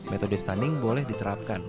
metode stunning boleh diterapkan